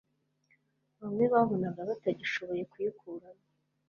bamwe babonaga batagishoboye kuyikuramo.